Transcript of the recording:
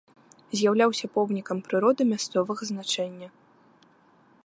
З'яўляўся помнікам прыроды мясцовага значэння.